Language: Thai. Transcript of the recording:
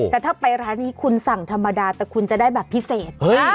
แต่ถ้าไปร้านนี้คุณสั่งธรรมดาแต่คุณจะได้แบบพิเศษ